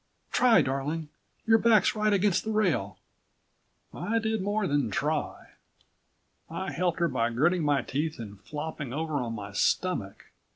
Try, darling. Your back's right against the rail." I did more than try. I helped her by gritting my teeth and flopping over on my stomach.